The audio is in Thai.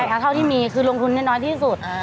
ใช่เอาเท่าที่มีคือลงทุนแน่นอนที่สุด